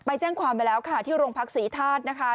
แจ้งความไปแล้วค่ะที่โรงพักศรีธาตุนะคะ